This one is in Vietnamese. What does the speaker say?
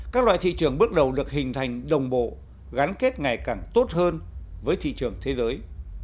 các loại thị trường bước đầu được hình thành đồng bộ gắn kết ngày càng tốt hơn với thị trường thế giới